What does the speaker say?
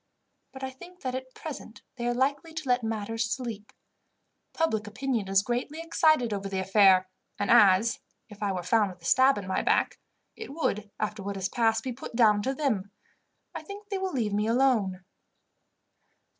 But I think that at present they are likely to let matters sleep. Public opinion is greatly excited over the affair, and as, if I were found with a stab in my back, it would, after what has passed, be put down to them, I think they will leave me alone."